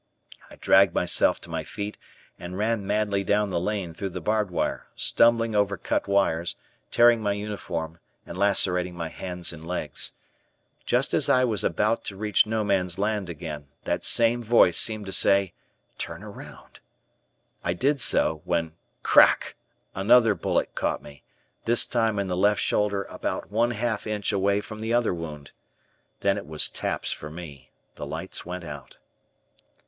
I dragged myself to my feet and ran madly down the lane through the barbed wire, stumbling over cut wires, tearing my uniform, and lacerating my hands and legs. Just as I was about to reach No Man's Land again, that same voice seemed to say, "Turn around." I did so, when, "crack," another bullet caught me, this time in the left shoulder about one half inch away from the other wound. Then it was taps for me. The lights went out.